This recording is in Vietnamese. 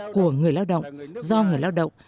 của người lao động do người lao động